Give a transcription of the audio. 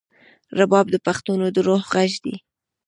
رباب د پښتنو د روح غږ دی.